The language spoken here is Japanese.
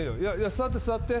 座って座って。